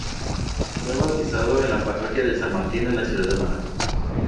Fue bautizado en la parroquia de San Martín de la ciudad de Madrid.